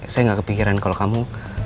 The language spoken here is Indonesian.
saya gak kepikiran kalau kamu